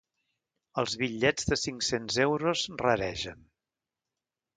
Els bitllets de cinc-cents euros raregen.